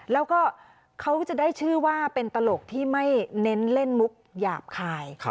แล้วก็เขาจะได้ชื่อว่าเป็นตลกที่ไม่เน้นเล่นมุกหยาบคาย